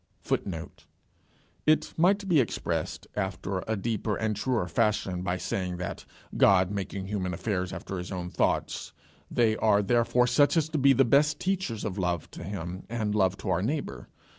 [Footnote: It might be expressed after a deeper and truer fashion by saying that, God making human affairs after his own thoughts, they are therefore such as to be the best teachers of love to him and love to our neighbour.